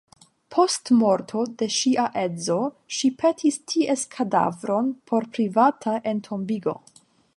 Post morto de ŝia edzo, ŝi petis ties kadavron por privata entombigo.